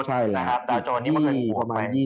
ใช่แล้ว